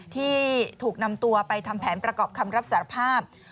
ที่ถูกนำตัวไปทำแผนประกอบคำรับสารภาพ